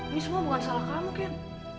ini semua bukan salah kamu kan